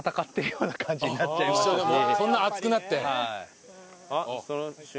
そんな熱くなって。